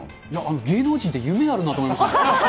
芸能人って夢があるなと思いましたね。